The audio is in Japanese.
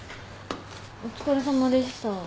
お疲れさまでした。